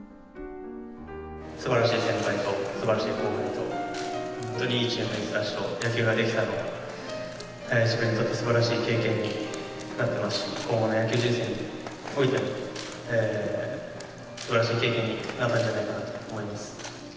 すばらしい先輩と、すばらしい後輩たちと本当にいいチームメートたちと野球ができたことが、自分にとってすばらしい経験になってますし、今後の野球人生においても、すばらしい経験になったんじゃないかと思います。